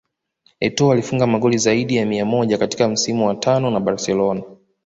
Etoo alifunga magoli zaidi ya mia moja katika msimu wa tano na Barcelona